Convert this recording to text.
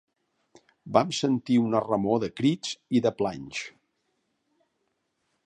Vam sentir una remor de crits i de planys.